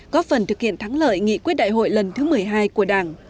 góp phần thực hiện thắng lợi nghị quyết đại hội lần thứ một mươi hai của đảng